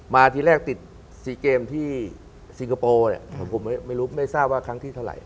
ทีแรกติด๔เกมที่สิงคโปร์เนี่ยผมไม่รู้ไม่ทราบว่าครั้งที่เท่าไหร